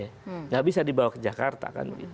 tidak bisa dibawa ke jakarta kan